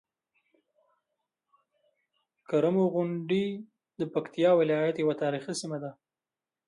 کرمو غونډۍ د پکتيکا ولايت یوه تاريخي سيمه ده.